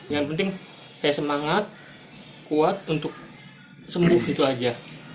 yang penting kayak semangat kuat untuk sembuh gitu aja